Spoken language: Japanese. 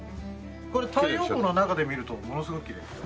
これ太陽光の中で見るとものすごくきれいですよ。